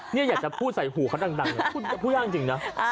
เนี่ยอยากจะพูดใส่หูเขาดังพูดยากจริงนะ